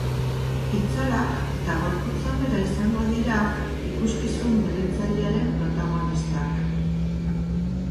Itzalak eta gorputza bera izango dira ikuskizun berritzailearen protagonistak.